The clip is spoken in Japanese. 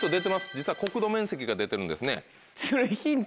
実は国土面積が出てるんですね。